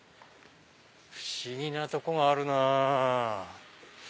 不思議なとこがあるなぁ。